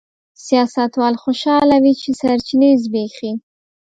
سیاستوال خوشاله وي چې سرچینې زبېښي.